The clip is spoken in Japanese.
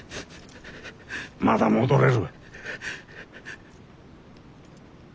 まだ戻れる。